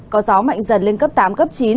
có gió mạnh dần lên cấp tám cấp chín